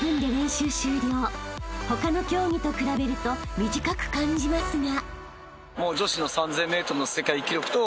［他の競技と比べると短く感じますが］